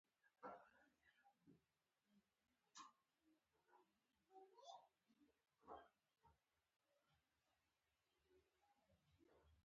د ټیپ له سپیکرونو جګجیت سنګ غزلې واوري.